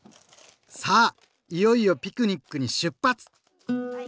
いよいよピクニックに出発！